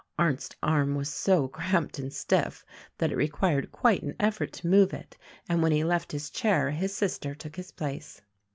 Arndt's arm was so cramped and stiff that it required quite an effort to move it, and when he left his chair his sister took his place.